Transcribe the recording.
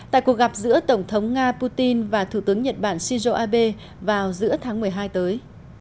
tại cuộc gặp giữa tổng thống nga putin và thủ tướng nhật bản shinzo abe vào giữa tháng một mươi hai tới